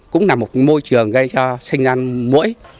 cũng là một môi trường gây cho sinh ăn mũi